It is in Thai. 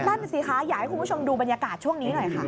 นั่นสิคะอยากให้คุณผู้ชมดูบรรยากาศช่วงนี้หน่อยค่ะ